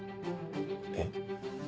えっ？